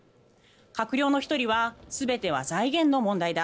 閣僚の１人は全ては財源の問題だ